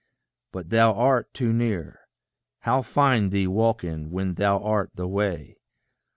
But thou art too near: How find thee walking, when thou art the way?